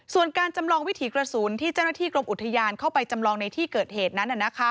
ส่วนการจำลองวิถีกระสุนที่เจ้าหน้าที่กรมอุทยานเข้าไปจำลองในที่เกิดเหตุนั้น